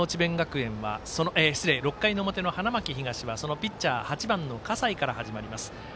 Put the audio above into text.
６回の表の花巻東はピッチャー８番の葛西から始まります。